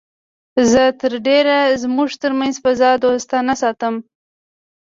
زه تر ډېره زموږ تر منځ فضا دوستانه ساتم